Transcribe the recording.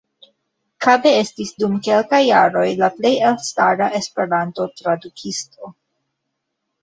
Kabe estis dum kelkaj jaroj la plej elstara Esperanto-tradukisto.